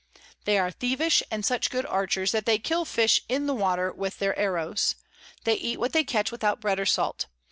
They are thievish, and such good Archers, that they kill Fish in the water with their Arrows. They eat what they catch without Bread or Salt.